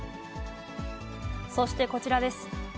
そしてこちらです。